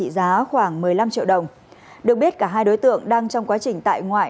giá khoảng một mươi năm triệu đồng được biết cả hai đối tượng đang trong quá trình tại ngoại